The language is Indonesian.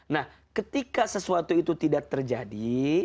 nah ketika sesuatu itu tidak terjadi